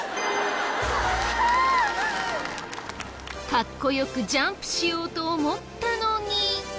かっこ良くジャンプしようと思ったのに。